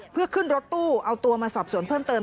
เพื่อขึ้นรถตู้เอาตัวมาสอบสวนเพิ่มเติม